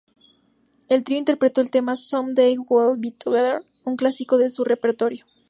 El trío interpretó el tema "Someday We'll Be Together", un clásico de su repertorio.